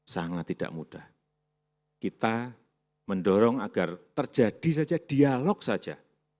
sangat tidak mudah kita mendorong agar terjadi saja dialog saja